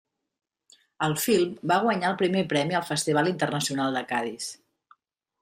El film va guanyar el primer premi al Festival Internacional de Cadis.